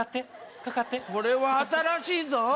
これは新しいぞ。